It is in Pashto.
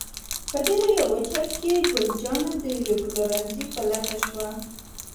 په دې لویه کوڅه کې، ګل جانه د یوه پلورنځي په لټه شوه.